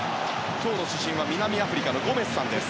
今日の主審は南アフリカのゴメスさんです。